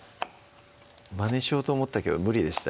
まねしようと思ったけど無理でした